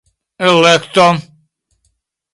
elekto